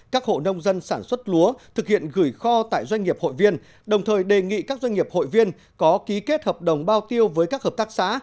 các hộ nông dân sản xuất lúa thực hiện gửi kho tại doanh nghiệp hội viên đồng thời đề nghị các doanh nghiệp hội viên có ký kết hợp đồng bao tiêu với các hợp tác xã